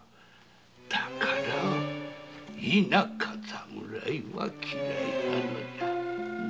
だから田舎侍は嫌いなのじゃ。